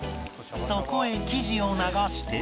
そこへ生地を流して